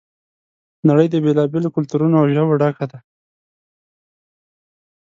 نړۍ د بېلا بېلو کلتورونو او ژبو ډکه ده.